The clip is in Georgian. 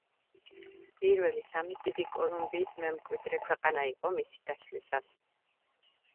პირველი სამი დიდი კოლუმბიის მემკვიდრე ქვეყანა იყო მისი დაშლისას.